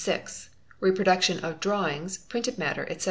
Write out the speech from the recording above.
—Reproduction of Drawings, Printed matter, etc.